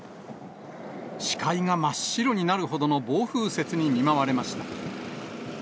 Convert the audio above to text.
視界が真っ白になるほどの暴風雪に見舞われました。